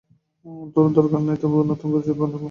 কোনো দরকার নেই, তবু নতুন করে চুল বাঁধলুম।